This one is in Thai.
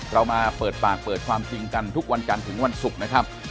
เรามาเปิดปากเปิดความจริงกันทุกวันจันทร์ถึงวันศุกร์นะครับ